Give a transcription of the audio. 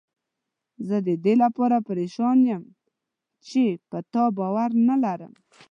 زه ددې لپاره پریشان یم چې په تا باور نه لرم.